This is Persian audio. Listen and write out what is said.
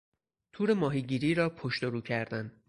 تور ماهیگیری را پشت و رو کردن